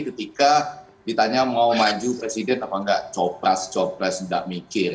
ketika ditanya mau maju presiden apa enggak copres copres enggak mikir